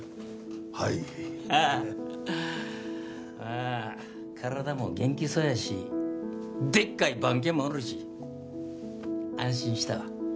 あ体も元気そうやしでっかい番犬もおるし安心したわ。